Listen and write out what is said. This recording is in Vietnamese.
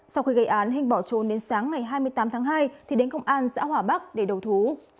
sau khi gây án hinh bỏ trốn đến sáng ngày hai mươi tám tháng hai thì đến công an xã hòa bắc để đầu thú